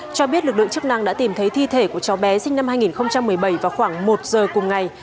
cho biết lực lượng chức năng đã tìm thấy thi thể của cháu bé sinh năm hai nghìn một mươi bảy vào khoảng một giờ cùng ngày